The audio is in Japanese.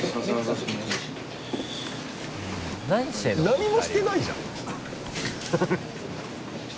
何もしてないじゃん。